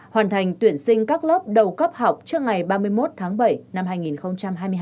hoàn thành tuyển sinh các lớp đầu cấp học trước ngày ba mươi một tháng bảy năm hai nghìn hai mươi hai